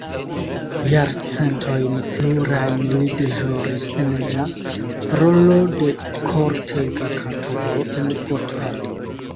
Jarcentojn plurajn li deĵoris en la rolo de kortega kantoro en Gotha.